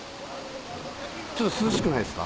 ちょっと涼しくないですか？